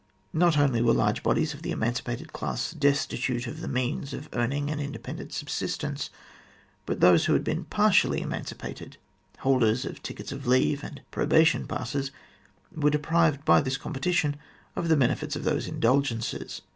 Not only were large bodies of the emancipated class destitute of the means of earning an independent subsistence, but those who had been partially emancipated holders of tickets of leave and probation passes were deprived, by this competition, of the benefits of those indulgences.